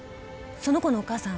その子のお母さんは？